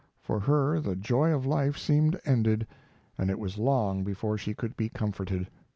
For her the joy of life seemed ended, and it was long before she could be comforted.